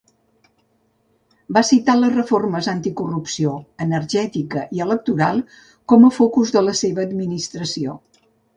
Va citar les reformes anticorrupció, energètica i electoral com a focus de la seva administració.